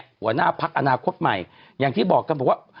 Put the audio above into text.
หัวหน้าพักอนาคตใหม่อย่างที่บอกกันบอกว่า